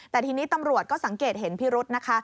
แต่ทีนี้ตำรวจก็สังเกตเห็นพิรุษนะคะ